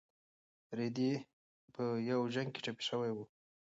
رېدی په یو جنګ کې ټپي شوی و.